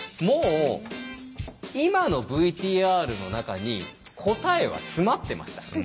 もう今のＶＴＲの中に答えは詰まってました。